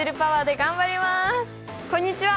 こんにちは！